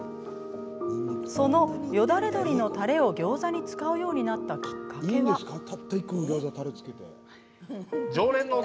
そのよだれ鶏のたれをギョーザに使うようになったきっかけは。ということで。